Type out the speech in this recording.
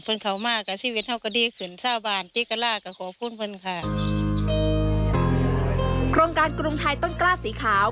โครงการกรุงไทยต้นกล้าสีขาว